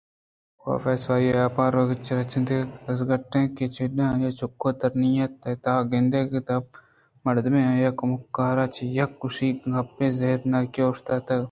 کاف صفائی ءُآپ ءِ آرگ ءُریچگ ءِ کاراں دزگٹ اَت کہ ناگتءَ چڈکہے ءَ آئی ءِ چّک ترّینت تاں گندیت کہ در ءِ دپ ءَ مردے ءَ آئی ءِ کمکاراں چہ یکے ءِگوش ءَ گپتگ ءُزہر ناکی اوشتاتگ